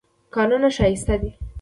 کانونه ښایسته دي.